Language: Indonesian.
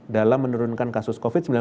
dalam menurunkan kasus covid sembilan belas